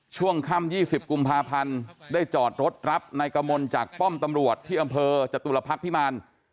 ช่วงค่ำ๒๐กุมภาพันธ์ได้จอดรถรับนายกมลจากป้อมตำรวจที่อำเภอจตุลพักษ์พิมาร